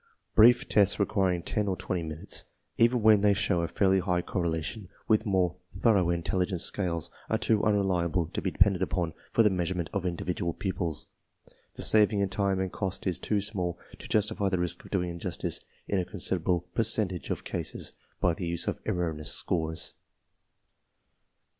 Brief tests requiring ten or twenty minutes, even when they show a fairly high Elation ^ith more thorough intelligence scales, are too unreliable to be depended upon for the measurement of "ind ividual _ pupils. The saving ~in~tinre'"ahd cost is too small to justify the risk of doing injustice in a considerable per centage of cases by the use of erroneous scores.